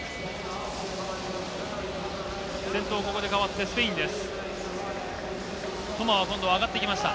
先頭代わってスペインです。